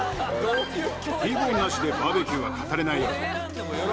Ｔボーンなしでバーベキューは語れないよ。